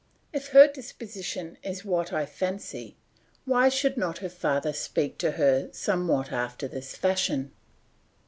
If her disposition is what I fancy why should not her father speak to her somewhat after this fashion?